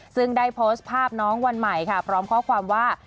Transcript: ซึ่งได้โพสต์ภาพน้องวันใหม่ค่ะพร้อมข้อความว่า